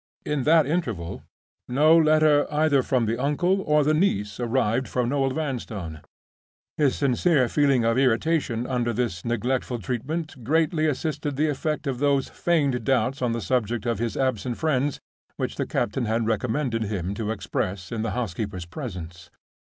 In that interval, no letter either from the uncle or the niece arrived for Noel Vanstone. His sincere feeling of irritation under this neglectful treatment greatly assisted the effect of those feigned doubts on the subject of his absent friends which the captain had recommended him to express in the housekeeper's presence.